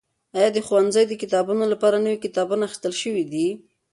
ایا د ښوونځیو د کتابتونونو لپاره نوي کتابونه اخیستل شوي دي؟